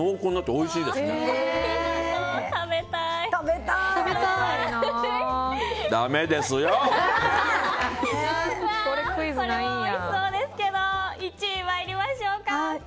おいしそうですけど１位に参りましょうか。